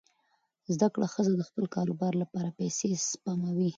زده کړه ښځه د خپل کاروبار لپاره پیسې سپموي.